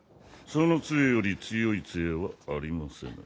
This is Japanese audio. その杖より強い杖はありません